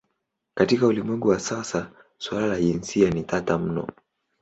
Katika ulimwengu wa sasa suala la jinsia ni tata mno.